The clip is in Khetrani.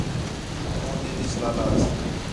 کھوں تی وِچ لالاس